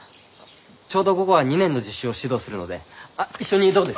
ちょうど午後は２年の実習を指導するのであ一緒にどうです？